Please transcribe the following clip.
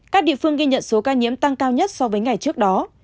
các địa phương ghi nhận số ca nhiễm tăng cao nhất so với ngày trước đó